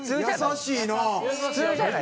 優しいな！